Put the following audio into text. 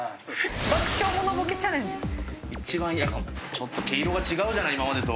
ちょっと毛色が違うじゃない今までと。